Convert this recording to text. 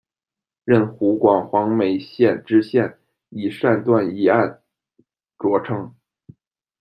任湖广黄梅县知县，以善断疑案着称。